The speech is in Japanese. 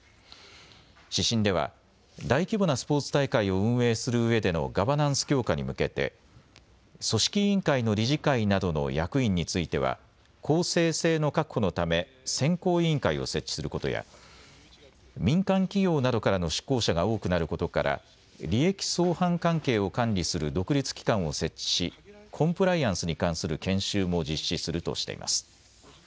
指針では大規模なスポーツ大会を運営するうえでのガバナンス強化に向けて組織委員会の理事会などの役員については公正性の確保のため選考委員会を設置することや民間企業などからの出向者が多くなることから利益相反関係を管理する独立機関を設置しコンプライアンスに関する研修も実施するとしています。